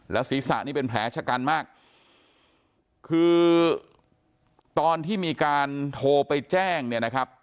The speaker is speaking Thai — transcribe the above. ศีรษะนี่เป็นแผลชะกันมากคือตอนที่มีการโทรไปแจ้งเนี่ยนะครับ